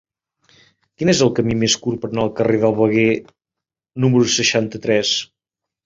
Quin és el camí més curt per anar al carrer del Veguer número seixanta-tres?